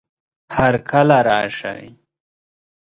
هرکله راشئ!